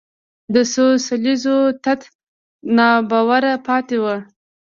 د څو لسیزو تت ناباوره پاتې وو